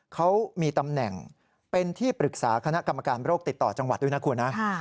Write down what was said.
เขามีตำแหน่งเป็นที่ปรึกษาคณะกรรมการโรคติดต่อจังหวัดด้วยนะคุณนะ